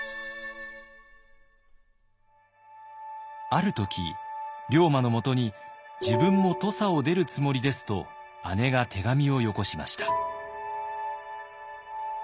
ある時龍馬のもとに「自分も土佐を出るつもりです」と姉が手紙をよこしました。